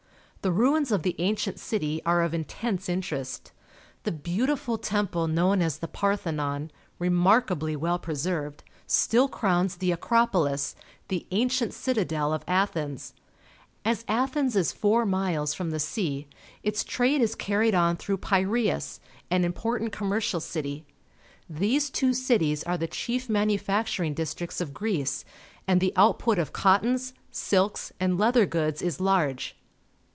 The ruins of the ancient city are of intense interest. The beautiful temple known as the Parthenon, remarkably well preserved, still crowns the Acropolis, the ancient citadel of Athens. As Athens is four miles from the sea, its trade is carried on through Piraeus, an important commercial city. These two cities are the chief manufacturing districts of Greece, and the output of cottons, silks, and leather goods is large.